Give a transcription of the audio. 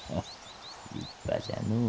立派じゃのう。